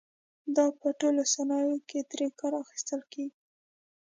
دا په ټولو صنایعو کې ترې کار اخیستل کېږي.